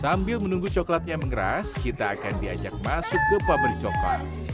sambil menunggu coklatnya mengeras kita akan diajak masuk ke pabrik coklat